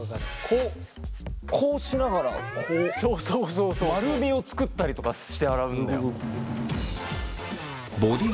こうこうしながらこう丸みを作ったりとかして洗うんだよ。